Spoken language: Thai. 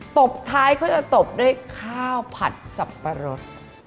ตบท้ายเขาจะตบด้วยข้าวผัดสับปะรด